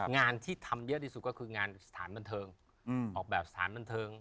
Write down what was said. งานที่ทำเยอะที่สุดก็คืองานสถานบันเทิงออกแบบสถานบันเทิง